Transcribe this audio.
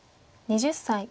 ２０歳。